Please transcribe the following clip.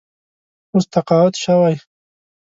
اوس تقاعد شوی.